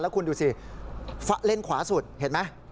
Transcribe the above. คุณดูสิเล่นขวาสุดเห็นไหม